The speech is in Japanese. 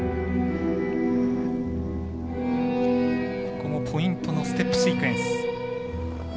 ここもポイントのステップシークエンス。